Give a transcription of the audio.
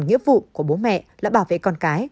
nghĩa vụ của bố mẹ là bảo vệ con cái